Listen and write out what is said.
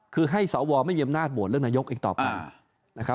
คือให้สอวอไม่เยี่ยมนาฏโหวตเรื่องหน้ายกเองต่อไป